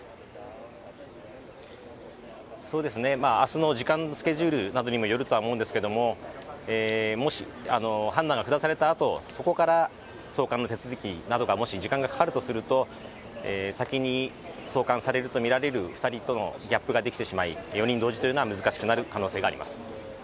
明日の時間、スケジュールなどによるとは思うんですけども判断が下されたあと、そこから送還の手続きなどがもし時間がかかるとすると、先に送還されるとみられる２人とのギャップができてしまい、４人同時というのは難しくなる可能性があります。